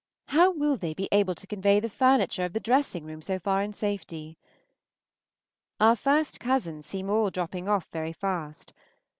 How will they be able to convey the furniture of the dressing room so far in safety? Our first cousins seem all dropping off very fast.